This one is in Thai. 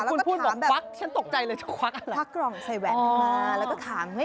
คุณพูดแบบควักฉันตกใจเลยจะควัก